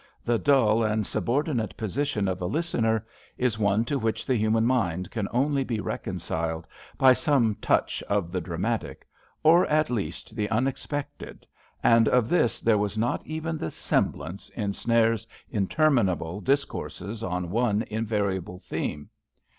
The dull and sub ordinate position of a listener is one to which the human mind can only be reconciled by some touch of the dramatic, or, at least, the unexpected, and of this there was not even the semblance in Snares's interminable discourses on one invariable theme.